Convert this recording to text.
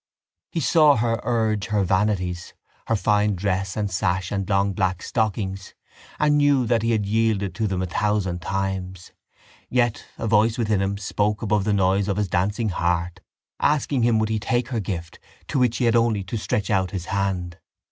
He saw her urge her vanities, her fine dress and sash and long black stockings, and knew that he had yielded to them a thousand times. Yet a voice within him spoke above the noise of his dancing heart, asking him would he take her gift to which he had only to stretch out his hand.